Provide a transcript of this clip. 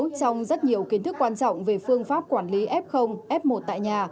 một số trong rất nhiều kiến thức quan trọng về phương pháp quản lý f f một tại nhà